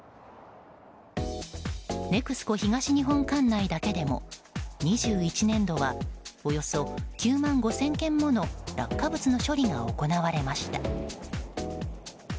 ＮＥＸＣＯ東日本管内だけでも２１年度はおよそ９万５０００件もの落下物の処理が行われました。